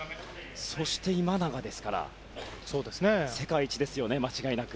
そして今永ですから世界一ですよね、間違いなく。